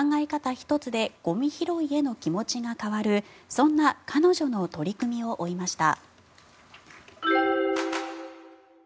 １つでゴミ拾いへの気持ちが変わるそんな彼女の取り組みを追いました。